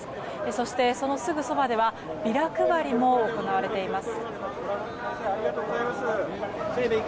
そして、そのすぐそばではビラ配りも行われています。